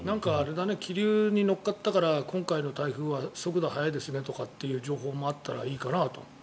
気流にのっかったから今回の台風は速度が速いですって情報もあったらいいかなって。